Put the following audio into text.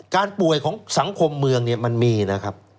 ป่วยของสังคมเมืองเนี่ยมันมีนะครับ